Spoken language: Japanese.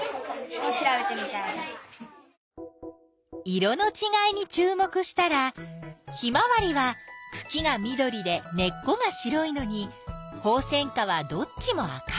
色のちがいにちゅう目したらヒマワリはくきが緑で根っこが白いのにホウセンカはどっちも赤い。